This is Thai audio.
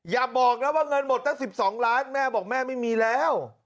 อย่าบอกนะว่าเงินหมดตั้ง๑๒ล้านแม่บอกแม่ไม่มีแล้ว